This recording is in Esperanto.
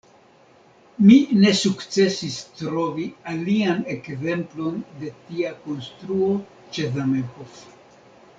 Mi ne sukcesis trovi alian ekzemplon de tia konstruo ĉe Zamenhof.